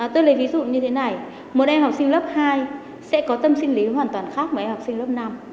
tôi lấy ví dụ như thế này một em học sinh lớp hai sẽ có tâm sinh lý hoàn toàn khác với em học sinh lớp năm